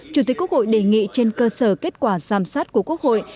chủ tịch quốc hội đề nghị trên cơ sở kết quả giám sát của quốc hội